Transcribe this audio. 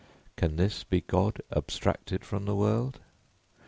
] Can this be God abstracted from the world?